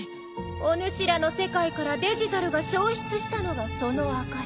おぬしらの世界からデジタルが消失したのがその証し。